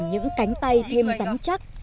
những cánh tay thêm rắn chắc